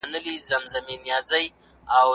په خپل منځ کي صادق اوسئ.